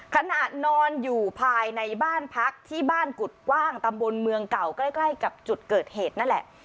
ขณะนอนอยู่ภายในบ้านพักที่บ้านกุฎกว้างตำบลเมืองเก่าใกล้กับจุดเกิดเหตุนั่นแหละ